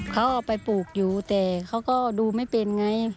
เขาเอาไปปลูกอยู่แต่เขาก็ดูไม่เป็นไง